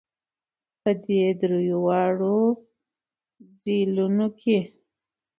په دې درېواړو ځېلونو کې